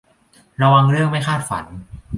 ระวังเรื่องไม่คาดฝัน